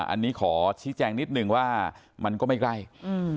อันนี้ขอชี้แจงนิดหนึ่งว่ามันก็ไม่ใกล้อืม